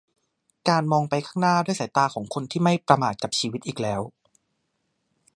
การมองไปข้างหน้าด้วยสายตาของคนที่ไม่ประมาทกับชีวิตอีกแล้ว